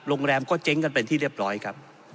โรงแรมก็เจ๊งกันเป็นที่เรียบร้อยครับ